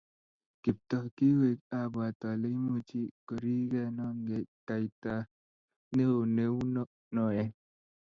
Kiptooo kikoi abwat ale imuchi korikenongei kaita neoo neuu noee